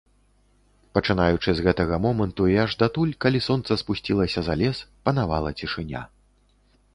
Пачынаючы з гэтага моманту і аж датуль, калі сонца спусцілася за лес, панавала цішыня.